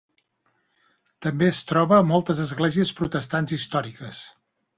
També es troba a moltes esglésies protestants històriques.